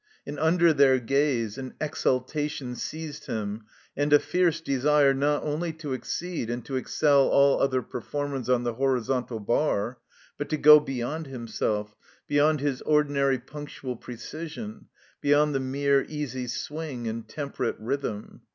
And under their gaze an exultation seized him and a fierce desire, not only to exceed and to excel all other performers on the horizontal bar, but to go beyond himself; beyond his ordinary punctual precision; be yond the mere easy swing and temperate rhythm.